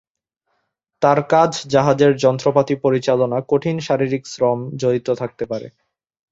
তার কাজ জাহাজের যন্ত্রপাতি পরিচালনা কঠিন শারীরিক শ্রম জড়িত থাকতে পারে।